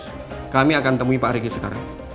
baik sis kami akan temui pak regi sekarang